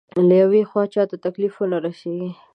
له يوې خوا چاته تکليف ونه رسېږي.